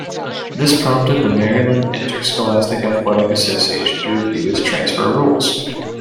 This prompted the Maryland Interscholastic Athletic Association to review its transfer rules.